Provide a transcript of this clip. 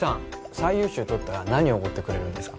最優秀とったら何おごってくれるんですか？